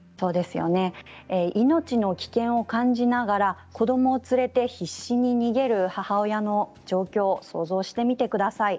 命の危険を感じながら子どもを連れて必死に逃げる母親の状況を想像してみてください。